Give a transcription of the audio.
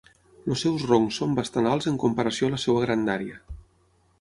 Els seus roncs són bastant alts en comparació a la seva grandària.